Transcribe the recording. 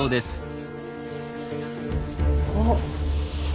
おっ。